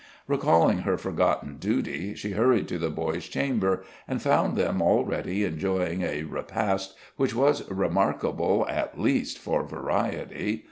Recalling her forgotten duty, she hurried to the boys' chamber, and found them already enjoying a repast which was remarkable at least for variety.